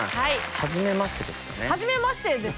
はじめましてですね。